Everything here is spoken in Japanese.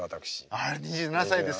あれ２７歳ですか。